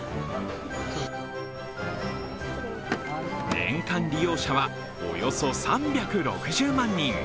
年間利用者はおよそ３６０万人。